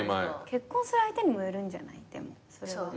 結婚する相手にもよるんじゃないでもそれは。